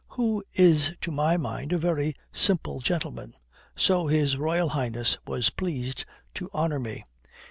who is to my mind a very simple gentleman.' So His Royal Highness was pleased to honour me."